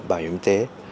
bảo hiểm y tế